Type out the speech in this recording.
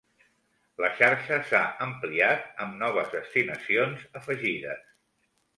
La xarxa s"ha ampliat amb noves destinacions afegides.